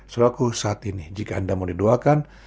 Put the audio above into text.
suruh aku saat ini jika anda mau didoakan